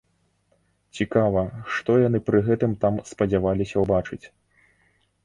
Цікава, што яны пры гэтым там спадзяваліся ўбачыць.